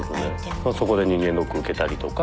そこで人間ドック受けたりとか。